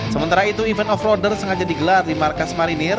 sementara itu event off roader sengaja digelar di markas marinir